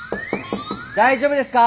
大丈夫ですか！？